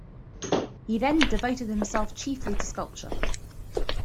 He then devoted himself chiefly to sculpture.